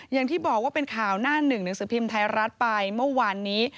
อย่างที่บอกว่าเป็นข่าวหน้าหนึ่งหนังสือพิมพ์ไทยรัฐไปเมื่อวานนี้